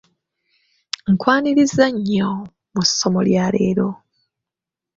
Nkwanirizza nnyo mu ssomo lya leero.